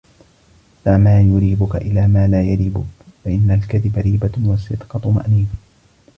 دَعْ مَا يَرِيبُك إلَى مَا لَا يَرِيبُك فَإِنَّ الْكَذِبَ رِيبَةٌ وَالصِّدْقَ طُمَأْنِينَةٌ